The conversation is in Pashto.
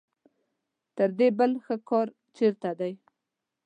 تر دې بل ښه کار چېرته دی.